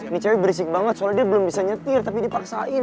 ini cewek berisik banget soalnya dia belum bisa nyetir tapi dipaksain